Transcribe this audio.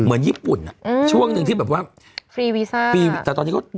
เหมือนญี่ปุ่นอ่ะอืมช่วงหนึ่งที่แบบว่าฟรีวีซ่าฟรีแต่ตอนนี้ก็